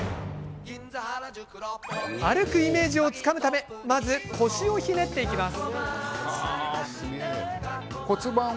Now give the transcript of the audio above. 歩くイメージをつかむためまず腰をひねっていきます。